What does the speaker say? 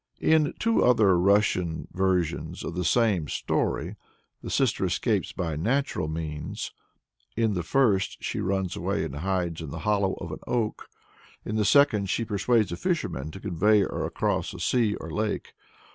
In two other Russian versions of the same story, the sister escapes by natural means. In the first she runs away and hides in the hollow of an oak. In the second she persuades a fisherman to convey her across a sea or lake.